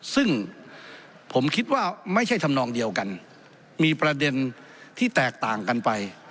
ซึ่งผมคิดว่าไม่ใช่ทำนองเดียวกันมีประเด็นที่แตกต่างกันไป